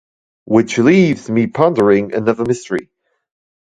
Which leaves me pondering another mystery.